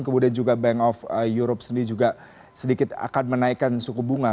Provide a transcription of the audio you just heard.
kemudian juga bank of europe sendiri juga sedikit akan menaikkan suku bunga